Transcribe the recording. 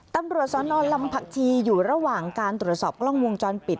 ตำรวจสนลำผักชีอยู่ระหว่างการตรวจสอบกล้องวงจรปิด